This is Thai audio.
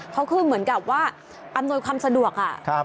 เขาคือเหมือนกับว่าอำนวยความสะดวก